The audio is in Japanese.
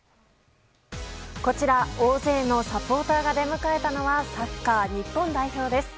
こちら大勢のサポーターが出迎えたのはサッカー日本代表です。